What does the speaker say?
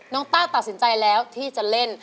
ต้าตัดสินใจแล้วที่จะเล่น